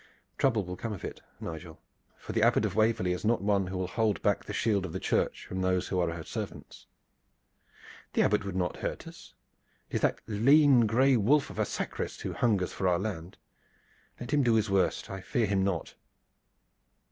Trouble will come of it, Nigel, for the Abbot of Waverley is not one who will hold back the shield of the Church from those who are her servants." "The Abbot would not hurt us. It is that gray lean wolf of a sacrist who hungers for our land. Let him do his worst. I fear him not."